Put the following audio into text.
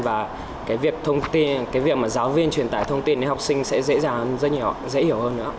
và cái việc mà giáo viên truyền tải thông tin đến học sinh sẽ dễ hiểu hơn nữa